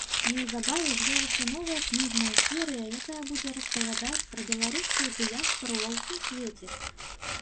Неўзабаве з'явіцца новая кніжная серыя, якая будзе распавядаць пра беларускую дыяспару ва ўсім свеце.